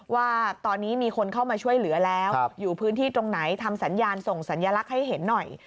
ว่าตอนนี้มีคนเข้ามาช่วยเหลือแล้วอยู่พื้นที่ตรงไหนทำสัญญาณส่งสัญลักษณ์ให้เห็นหน่อย